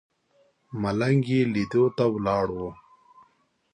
ملنګ یې لیدو ته ولاړ و.